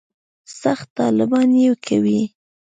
سخت طالبان یې کوي.